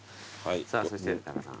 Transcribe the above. さあそしてタカさん。